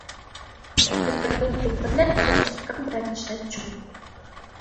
Հետագայում լքվել է և մշտական բնակիչներ չունի։